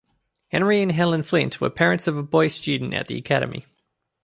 Henry and Helen Flynt were parents of a boy student at the academy.